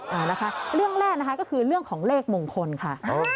เอานะคะเรื่องแรกนะคะก็คือเรื่องของเลขมงคลค่ะ